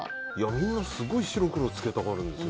みんな、すごい白黒つけたがるんですよ。